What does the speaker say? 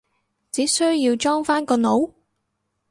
只需要裝返個腦？